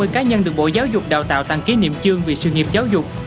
một trăm ba mươi cá nhân được bộ giáo dục đào tạo tặng kỷ niệm chương vì sự nghiệp giáo dục